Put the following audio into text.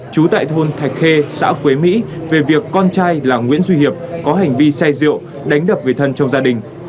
trú tại thôn thạch khê xã quế mỹ về việc con trai là nguyễn duy hiệp có hành vi say rượu đánh đập người thân trong gia đình